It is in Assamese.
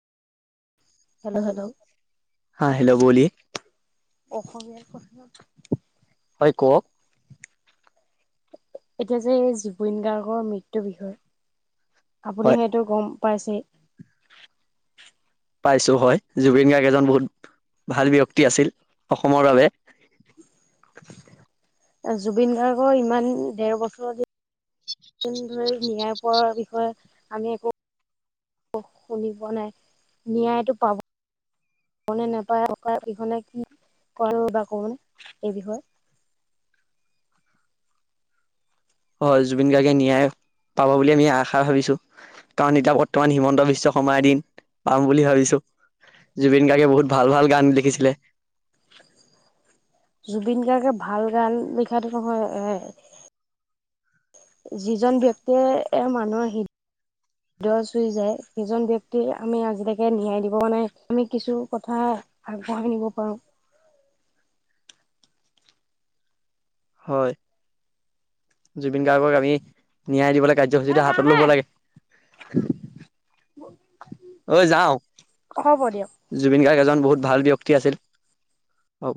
হেল্ল হা হেল্ল' বলে অসমীয়াৰ কথাত হয় কওক এতিয়া যে জুবিন গাৰ্গৰ মৃত্যুৰ বিষয়ে আপুনি হয় সেইটো গম পাইছেই। পাইছো হয় জুবিন গাৰ্গ এজন বহুত ভাল ব্যক্তি আছিল অসমৰ বাবে জুবিন গাৰ্গৰ ইমান দেৰ বছৰ দ দিন ধৰি ন্যায় পাৰ বিষয়ে আমি একো শুনিব নাই ন্যায়টো পাব নেপায় অকা ইখনে কি কৰে বা কোনে এই বিষয়ে হয় জুবিন গাৰ্গে ন্যায় পাব বুলি আমি আশা ভাবিছো।। কাৰণ এতিয়া বৰ্তমান হিমন্ত বিশ্ব শৰ্মাৰ দিন পাম বুলি ভাবিছো। জুবিন গাৰ্গে বহুত ভাল ভাল গান লিখিছিলে। উ [inaudible] জুবিন গাৰ্গে ভাল গান লিখাটো নহয়। যিজন ব্যক্তিয়ে এ মানুহৰ হি হদ চুই যায় সেইজন ব্যক্তি আমি আজিলৈকে ন্যায় দিব নাই আমি কিছু কথা। আগবঢ়াই নিব পাৰো। হয় জুবিন গাৰ্গক আমি নিয়াই দিব লাগে। অ কাৰ্যসূচীটো যাওঁ হাতত দে ল'ব লাগে। যাও হ'ব দিয়ক। জুবিন গাৰ্গ এজন বহুত ভাল ব্যক্তি আছিল।